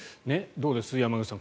どうです、山口さん。